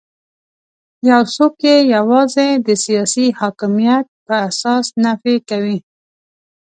یو څوک یې یوازې د سیاسي حاکمیت په اساس نفي کوي.